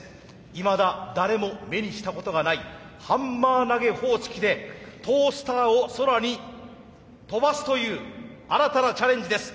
いまだ誰も目にしたことがないハンマー投げ方式でトースターを空に跳ばすという新たなチャレンジです。